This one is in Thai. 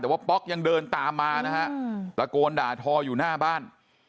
แต่ว่าป๊อกยังเดินตามมานะฮะตะโกนด่าทออยู่หน้าบ้าน